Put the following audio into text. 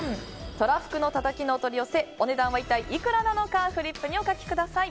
とらふくのたたきのお取り寄せお値段は一体いくらなのかフリップにお書きください。